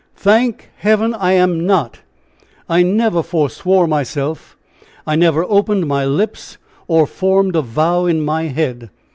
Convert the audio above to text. "Thank Heaven, I am not! I never foreswore myself. I never opened my lips, or formed a vow in my head.